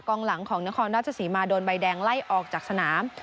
หลังของนครราชศรีมาโดนใบแดงไล่ออกจากสนาม